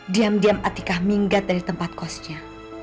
diam diam atikah minggat dari tempat kosnya